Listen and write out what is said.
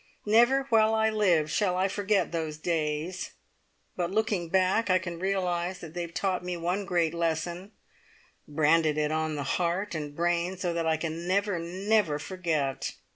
Never while I live shall I forget those days; but looking back, I can realise that they have taught me one great lesson, branded it on heart and brain so that I can never, never forget.